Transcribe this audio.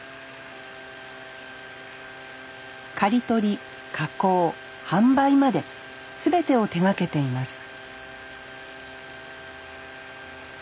刈り取り加工販売まで全てを手がけています